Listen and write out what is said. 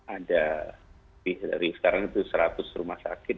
ada lebih dari sekarang itu seratus rumah sakit